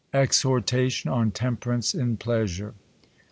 Exhortation on Temperance in Pleasure.